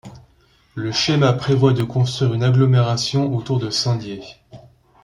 Le schéma prévoit de construire une agglomération autour de Saint-Dié.